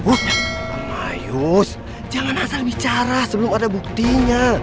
pemayus jangan asal bicara sebelum ada buktinya